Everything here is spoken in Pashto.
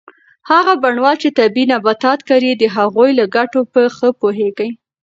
هغه بڼوال چې طبي نباتات کري د هغوی له ګټو په ښه پوهیږي.